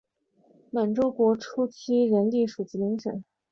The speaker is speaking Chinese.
满洲国初期仍隶属吉林省。